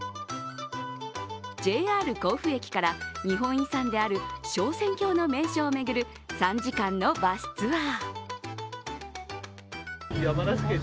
ＪＲ甲府駅から日本遺産である昇仙峡の名所を巡る３時間のバスツアー。